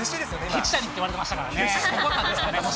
ケチ谷って言われてましたかケチ谷。